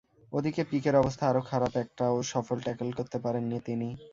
ওদিকে পিকের অবস্থা আরও খারাপ, একটাও সফল ট্যাকল করতে পারেননি তিনি।